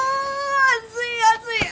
暑い暑い！